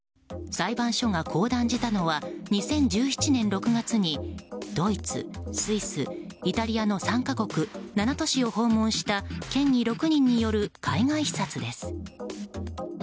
裁判所がこう断じたのは２０１７年６月にドイツ、スイス、イタリアの３か国７都市を訪問した県議６人による海外視察です。